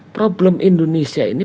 problem indonesia ini